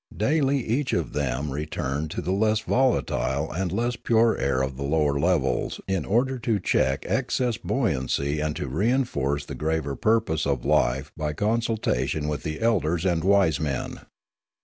Daily each of them returned to the less volatile and less pure air of the lower levels in order to check excess of buoyancy and to reinforce the graver purposes of life by consulta tion with the elders and wise men.